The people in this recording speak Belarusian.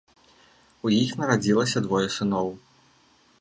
У іх нарадзілася двое сыноў.